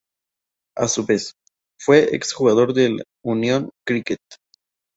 A su vez, fue un ex jugador del Unión Cricket.